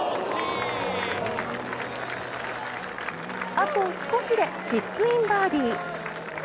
あと少しでチップインバーディー。